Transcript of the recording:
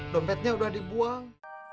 dompetnya udah dibuang